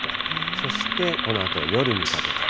そしてこのあと夜にかけて。